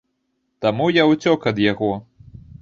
Таму я ўцёк ад яго.